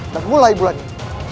dan mulai bulan ini